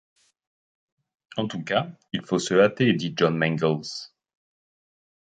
En tout cas, il faut se hâter, dit John Mangles.